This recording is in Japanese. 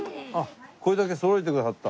これだけそろえてくださった。